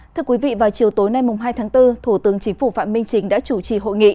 thưa quý vị vào chiều tối nay hai tháng bốn thủ tướng chính phủ phạm minh chính đã chủ trì hội nghị